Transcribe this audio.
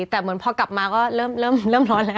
แต่เหมือนพอกลับมาก็เริ่มร้อนแล้ว